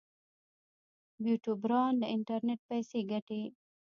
یوټیوبران له انټرنیټ پیسې ګټي